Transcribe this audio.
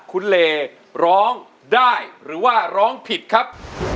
คุณเลร้องได้หรือว่าร้องผิดครับ